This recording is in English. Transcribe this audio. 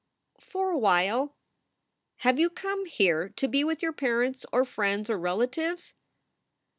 "For a while." "Have you come here to be with your parents or friends or relatives?"